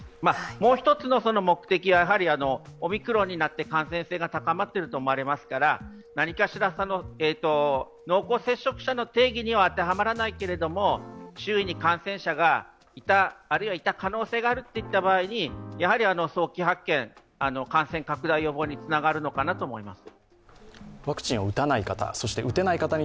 もう一つの目的は、オミクロンになって感染性が高まっていると思われますから濃厚接触者の定義には当てはまらないけれども、周囲に感染者がいた、あるいはいた可能性があるといった場合に、やはり早期発見、感染拡大予防につながるのかなと思います。